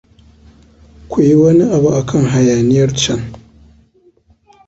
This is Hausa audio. Ku yi wani abu akan hayaniyar can.